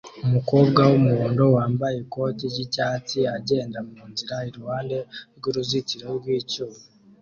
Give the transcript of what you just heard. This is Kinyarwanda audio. Umukobwa wumuhondo wambaye ikoti ryicyatsi agenda munzira iruhande rwuruzitiro rwicyuma